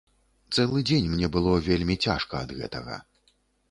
Цэлы дзень мне было вельмі цяжка ад гэтага.